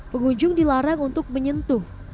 pengunjung dilarang untuk menyentuh